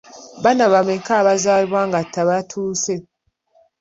Baana bameka abazaalibwa nga tebatuuse?